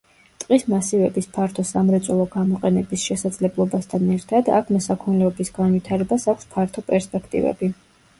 ტყის მასივების ფართო სამრეწველო გამოყენების შესაძლებლობასთან ერთად აქ მესაქონლეობის განვითარებას აქვს ფართო პერსპექტივები.